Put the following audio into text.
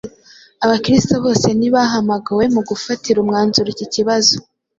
Abakristo bose ntibahamagawe mu gufatira umwanzuro iki kibazo.